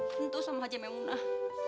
tentu sama haji maimunah